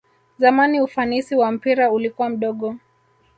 zamani ufanisi wa mpira ulikua mdogo